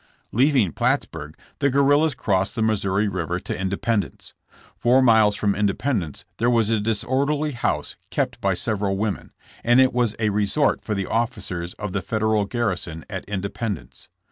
Leaving Plattsburg, the guerrillas crossed the Missouri river to Independence. Four miles from Independence there was a disorderly house kept by several women, and it was a resort for the officers of the Federal garrison at Independence.